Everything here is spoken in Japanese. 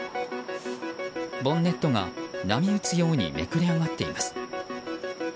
ボンネットが波打つようにめくれ上がっています。